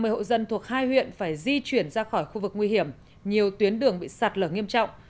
ba mươi hộ dân thuộc hai huyện phải di chuyển ra khỏi khu vực nguy hiểm nhiều tuyến đường bị sạt lở nghiêm trọng